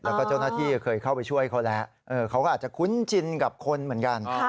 แล้วก็เจ้าหน้าที่เคยเข้าไปช่วยเขาแล้วเขาก็อาจจะคุ้นชินกับคนเหมือนกัน